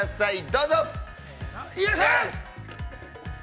どうぞ。